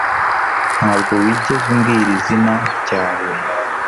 Ntabwo wigeze umbwira izina ryawe